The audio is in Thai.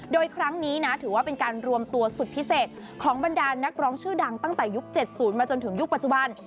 โดยครั้งนี้นะถือว่าเป็นการรวมตัวสุดพิเศษของบรรดานักร้องชื่อดังตั้งแต่ยุค๗๐มาจนถึงยุคปัจจุบัน